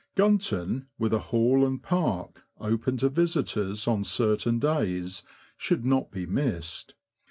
Gunton, with a Hall and Park, open to visitors on certain days, should not be missed.